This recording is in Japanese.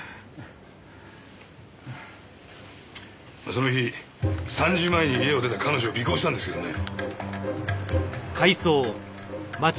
その日３時前に家を出た彼女を尾行したんですけどね。